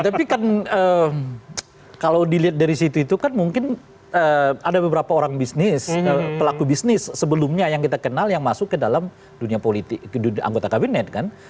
tapi kan kalau dilihat dari situ itu kan mungkin ada beberapa orang bisnis pelaku bisnis sebelumnya yang kita kenal yang masuk ke dalam dunia politik anggota kabinet kan